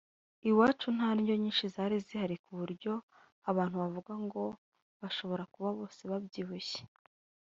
Iwacu nta ndyo nyinshi zari zihari ku buryo abantu wavuga ngo bashobora kuba bose babyibushye